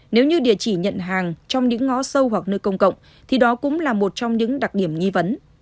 nếu như địa chỉ nhận hàng trong những ngõ sâu hoặc nơi công cộng thì đó cũng là một trong những đặc điểm nghi vấn